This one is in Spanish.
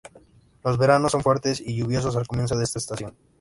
Los veranos son fuertes y lluviosos al comienzo de la estación.